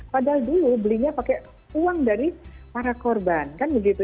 padahal dulu belinya pakai uang dari para korban kan begitu